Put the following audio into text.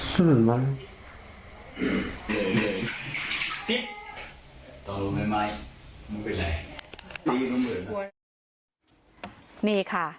สิบวันติ๊กตอนลงไหม้ไม่มันเป็นไรนี่ค่ะ